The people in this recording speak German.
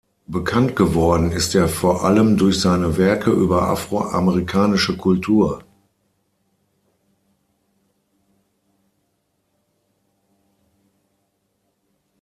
Bekannt geworden ist er vor allem durch seine Werke über afroamerikanische Kultur.